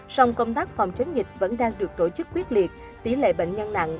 sông công tác phòng chống dịch vẫn đang được tổ chức quyết liệt tỷ lệ bệnh nhân nặng